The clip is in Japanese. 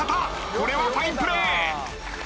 ［これはファインプレー！］